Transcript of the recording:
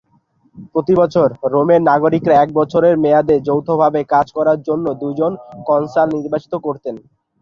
প্রতি বছর, রোমের নাগরিকরা এক বছরের মেয়াদে যৌথভাবে কাজ করার জন্য দুজন কনসাল নির্বাচিত করতেন।